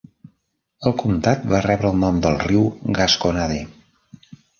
El comtat va rebre el nom del riu Gasconade.